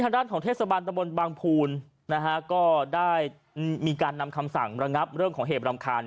จริทรรรภ์ของเทศบาลตะบลบางภูลก็ได้มีการนำคำสั่งระงับเรื่องของเหตุรำคา